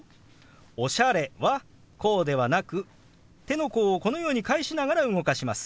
「おしゃれ」はこうではなく手の甲をこのように返しながら動かします。